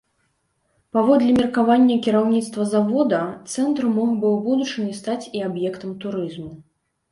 Паводле меркавання кіраўніцтва завода, цэнтр мог бы ў будучыні стаць і аб'ектам турызму.